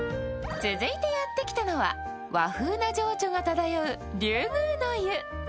続いてやってきたのは、和風な情緒がただよう龍宮の湯。